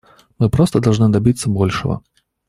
Мы просто должны добиться большего.